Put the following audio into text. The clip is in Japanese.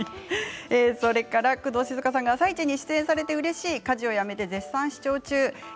工藤静香さんが「あさイチ」に出演されてうれしい家事をやめて絶賛、視聴中です。